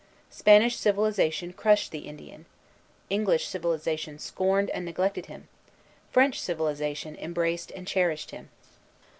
Spanish civilization crushed the Indian; English civilization scorned and neglected him; French civilization embraced and cherished him.